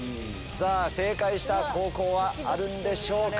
さぁ正解した高校はあるんでしょうか？